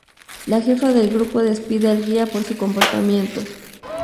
La jefa del grupo despide al guía por su comportamiento.